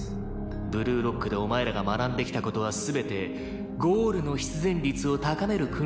ブルーロックでお前らが学んできた事は全てゴールの必然率を高める訓練と言えるだろう。